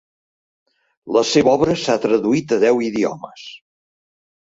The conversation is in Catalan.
La seva obra s'ha traduït a deu idiomes.